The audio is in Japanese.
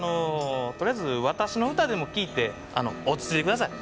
とりあえず私の歌でも聴いて落ち着いてください。